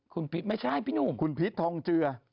คุณพิษไม่ใช่พี่หนุ่มคุณพิษทองเจือ